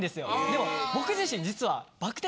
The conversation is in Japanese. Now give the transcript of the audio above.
でも僕自身実は。